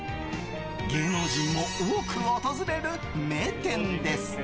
芸能人も多く訪れる名店です。